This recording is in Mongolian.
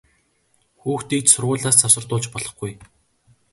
Хүүхдийг ч сургуулиас завсардуулж болохгүй!